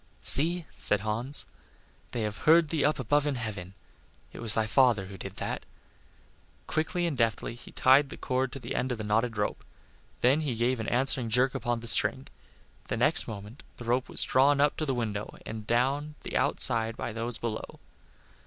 "See," said Hans, "they have heard thee up above in heaven; it was thy father who did that." Quickly and deftly he tied the cord to the end of the knotted rope; then he gave an answering jerk upon the string. The next moment the rope was drawn up to the window and down the outside by those below.